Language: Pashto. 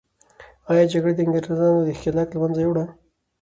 آیا جګړه د انګریزانو دښکیلاک له منځه یوړه؟